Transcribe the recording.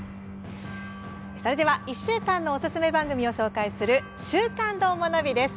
それでは１週間のおすすめ番組を紹介する「週刊どーもナビ」です。